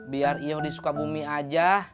biar iya udah suka bumi aja